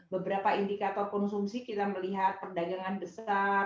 beberapa indikator konsumsi kita melihat perdagangan besar